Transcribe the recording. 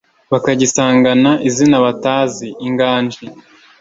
bakagisangana izina batazi. inganji